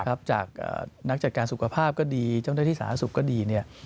จากนักจัดการสุขภาพก็ดีเจ้าหน้าที่สาธารณสุขก็ดี